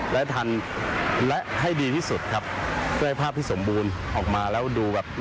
และทันและให้ดีที่สุดครับเพื่อให้ภาพที่สมบูรณ์ออกมาแล้วดูแบบ